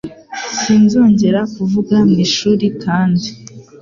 Sinzongera kuvuga mu ishuri kandi.